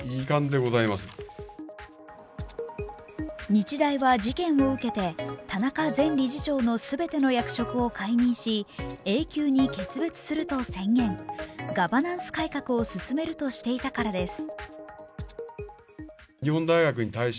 日大は事件を受けて、田中前理事長の全ての役職を解任し、永久に決別すると宣言、ガバナンス改革を進めるとしていたからです。